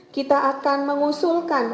kita akan mengusulkan